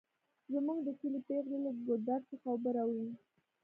زمونږ د کلي پیغلې له ګودر څخه اوبه راوړي